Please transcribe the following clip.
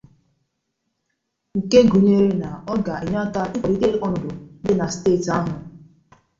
nke gụnyere na ọ ga-enye aka ịkwàlite ọnọdụ mmepe na steeti ahụ